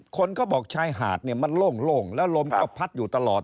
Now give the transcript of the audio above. คนก็บอกชายหาดเนี่ยมันโล่งแล้วลมก็พัดอยู่ตลอด